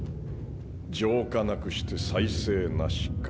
「浄化なくして再生なし」か。